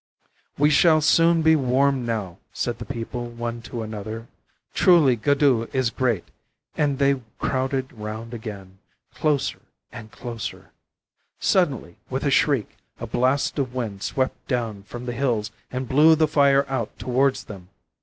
'We shall soon be warm now,' said the people one to another. 'Truly Guddhu is great'; and they crowded round again, closer and closer. Suddenly, with a shriek, a blast of wind swept down from the hills and blew the fire out towards them.